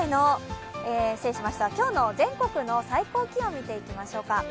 今日の全国の最高気温見ていきましょうか。